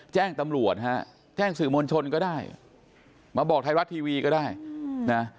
แจ้งตำรวจฮะแจ้งสื่อมวลชนก็ได้มาบอกไทยรัฐทีวีก็ได้นะ